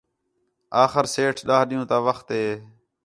آخر سیٹھ ݙاہ ݙِین٘ہوں تا وخت ہِے